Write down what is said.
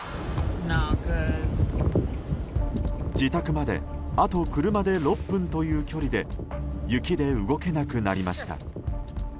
自宅まであと車で６分という距離で雪で動けなくなりました。